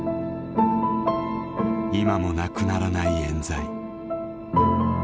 今もなくならないえん罪。